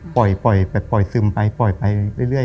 ปล่อยซึมไปปล่อยไปเรื่อย